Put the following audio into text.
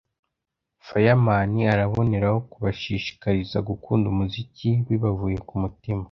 Fireman araboneraho kubashishikariza gukunda umuziki bibavuye ku mutima